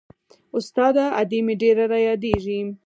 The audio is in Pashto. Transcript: استاده ادې مې ډېره رايادېږي.